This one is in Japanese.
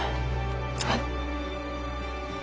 はい。